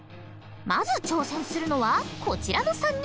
まず挑戦するのはこちらの３人。